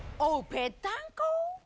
ぺったんこ。